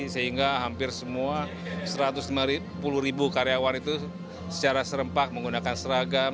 sehingga hampir semua satu ratus lima puluh ribu karyawan itu secara serempak menggunakan seragam